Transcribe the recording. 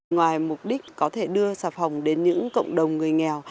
ngoài mục đích có thể đưa xà phòng đến những cộng đồng người nghèo